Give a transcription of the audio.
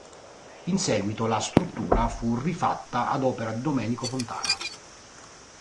In seguito, la struttura fu rifatta ad opera di Domenico Fontana.